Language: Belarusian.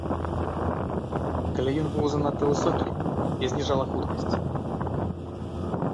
Калі ён быў занадта высокі, я зніжала хуткасць.